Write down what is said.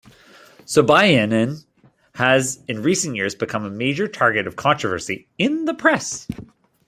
Sobyanin has in recent years become a major target of controversy in the press.